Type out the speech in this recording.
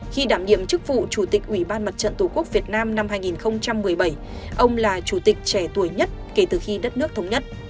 khi đảm nhiệm chức vụ chủ tịch ủy ban mặt trận tổ quốc việt nam năm hai nghìn một mươi bảy ông là chủ tịch trẻ tuổi nhất kể từ khi đất nước thống nhất